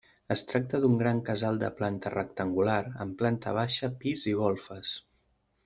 Es tracta d’un gran casal de planta rectangular, amb planta baixa, pis i golfes.